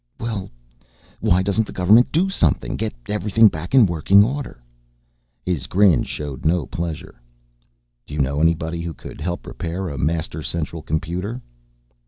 "Well, why doesn't the government do something, get everything back in working order?" His grin showed no pleasure. "Do you know anybody who could help repair a Master Central Computer?"